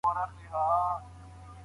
سوالګر نه وهل کېږي.